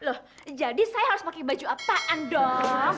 loh jadi saya harus pakai baju apaan dong